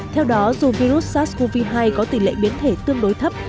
theo đó dù virus sars cov hai có tỷ lệ biến thể tương đối thấp